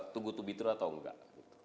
tugu tubi itu atau enggak